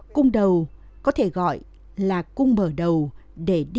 cung đầu có thể gọi là cung bở đầu để đi vào sườn